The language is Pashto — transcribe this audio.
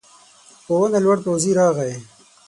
په ونه لوړ پوځي راغی.